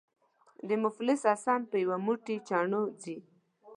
د مفلس حسن په یو موټی چڼو ځي.